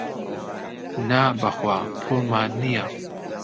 نا بەخوا پووڵمان نییە.